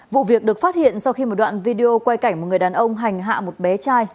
vụ việc được phát hiện sau khi một đoạn video quay cảnh một người đàn ông hành hạ một bé trai